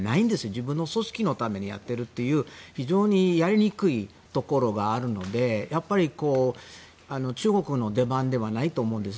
自分の組織のためにやっているという非常にやりにくいところがあるので中国の出番ではないと思うんです。